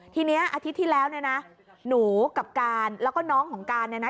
ทีนี้อาทิตย์ที่แล้วเนี่ยนะหนูกับการแล้วก็น้องของการเนี่ยนะ